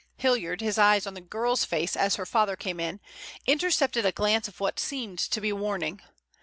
Hilliard, his eyes on the girl's face as her father came in, intercepted a glance of what seemed to be warning.